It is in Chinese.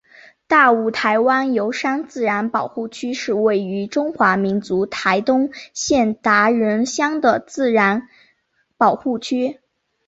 大武台湾油杉自然保护区是位于中华民国台东县达仁乡的自然保护区。